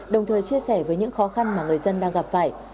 đồng thời chia sẻ với những khó khăn mà người dân đang gặp phải